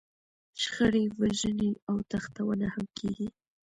شخړې، وژنې او تښتونه هم کېږي.